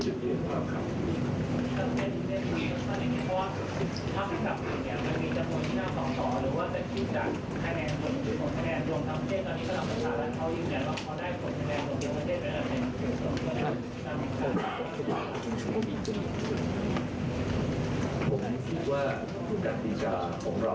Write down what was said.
ยืนเป็นจุดเรียนว่าครับ